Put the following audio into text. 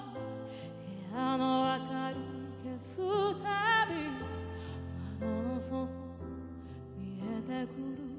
「部屋の明かり消すたび」「窓の外見えてくる」